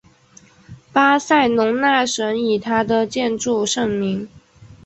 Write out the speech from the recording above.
巴塞隆纳省以它的建筑盛名。